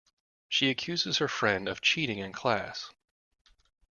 She accuses her friend of cheating in class.